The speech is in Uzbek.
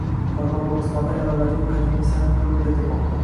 Qoraqalpog‘istonda ayollarga qadimiy san’at turi o‘rgatilmoqda